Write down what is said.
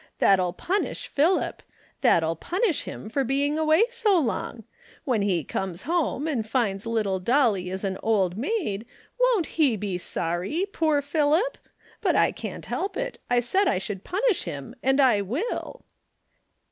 That'll punish Philip. That'll punish him for being away so long. When he comes home and finds Little Dolly is an old maid, won't he be sorry, poor Philip? But I can't help it. I said I would punish him and I will."